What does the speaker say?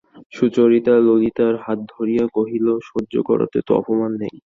সুচরিতা ললিতার হাত ধরিয়া কহিল, সহ্য করাতে তো অপমান নেই।